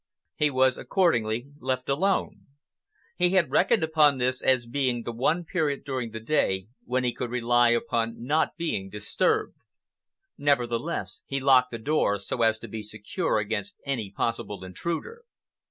He was accordingly left alone. He had reckoned upon this as being the one period during the day when he could rely upon not being disturbed. Nevertheless, he locked the door so as to be secure against any possible intruder.